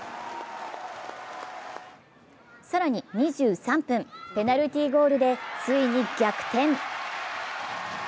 更に２３分、ペナルティーゴールでついに逆転。